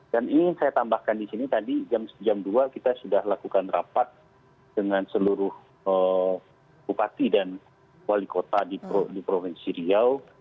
dan ini saya tambahkan disini tadi jam dua kita sudah lakukan rapat dengan seluruh bupati dan wali kota di provinsi riau